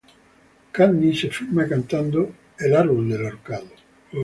Katniss se filma cantando ""El árbol del ahorcado"".